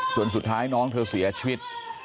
สุดท้ายน้องเธอเสียชีวิต